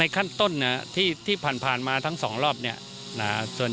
การเตรียมความช่วยเหลือประบบพิเศษสี่ชน